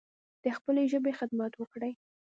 د خپلې ژبې خدمت وکړﺉ